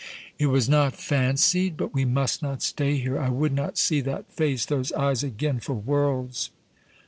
"It was not fancied. But we must not stay here; I would not see that face, those eyes again for worlds!"